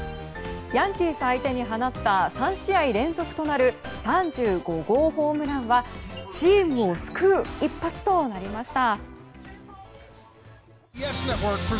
ヤンキース相手に放った３試合連続となる３５号ホームランはチームを救う一発となりました。